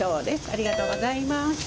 ありがとうございます。